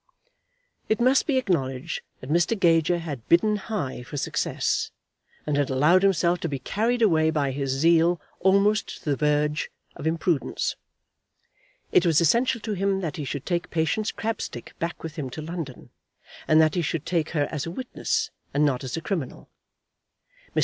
It must be acknowledged that Mr. Gager had bidden high for success, and had allowed himself to be carried away by his zeal almost to the verge of imprudence. It was essential to him that he should take Patience Crabstick back with him to London, and that he should take her as a witness and not as a criminal. Mr.